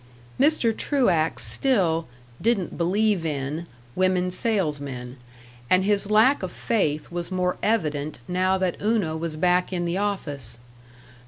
Mr. Truax still "didn't believe in" women salesmen, and his lack of faith was more evident now that Una was back in the office.